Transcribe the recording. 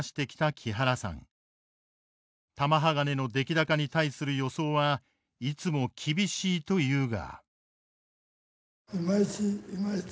玉鋼の出来高に対する予想はいつも厳しいというが。